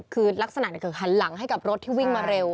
คือลักษณะคือหันหลังให้กับรถที่วิ่งมาเร็ว